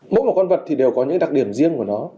mỗi một con vật thì đều có những đặc điểm riêng của nó